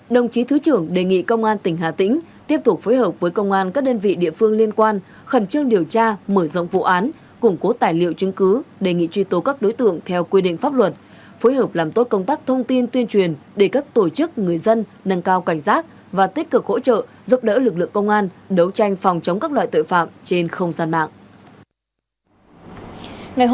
đồng chí thứ trưởng đề nghị công an tỉnh hà tĩnh tiếp tục phối hợp với công an các đơn vị địa phương liên quan khẩn trương điều tra mở rộng vụ án củng cố tài liệu chứng cứ đề nghị truy tố các đối tượng theo quy định pháp luật phối hợp làm tốt công tác thông tin tuyên truyền để các tổ chức người dân nâng cao cảnh giác và tích cực hỗ trợ giúp đỡ lực lượng công an đấu tranh phòng chống các loại tội phạm trên không gian mạng